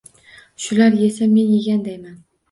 Shular yesa, men yegandayman.